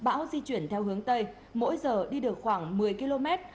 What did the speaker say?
bão di chuyển theo hướng tây mỗi giờ đi được khoảng một mươi km